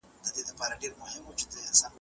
تاسو د غريبانو سره مرسته وکړئ.